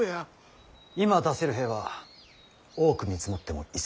今出せる兵は多く見積もっても１，０００。